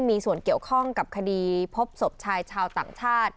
มีส่วนเกี่ยวข้องกับคดีพบศพชายชาวต่างชาติ